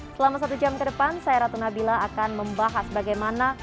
selama satu jam ke depan saya ratu nabila akan membahas bagaimana